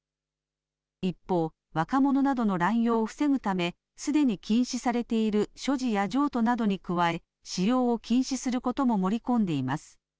一方、若者などの乱用を防ぐためすでに禁止されている所持や譲渡などに加え使用を禁止することも盛り込んでいます。